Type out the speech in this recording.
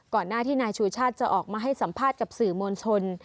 หน้าที่นายชูชาติจะออกมาให้สัมภาษณ์กับสื่อมวลชน